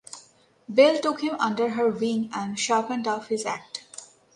Belle took him under her wing and sharpened up his act.